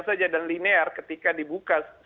saja dan linear ketika dibuka